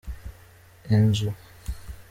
inzu.